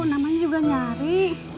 kan juga nyari